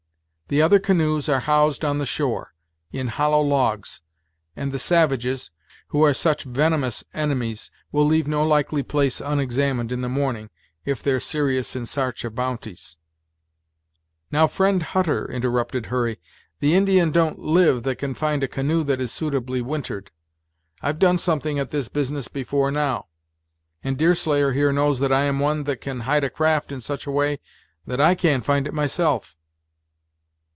The other canoes are housed on the shore, in hollow logs, and the savages, who are such venomous enemies, will leave no likely place unexamined in the morning, if they 're serious in s'arch of bounties " "Now, friend Hutter," interrupted Hurry, "the Indian don't live that can find a canoe that is suitably wintered. I've done something at this business before now, and Deerslayer here knows that I am one that can hide a craft in such a way that I can't find it myself."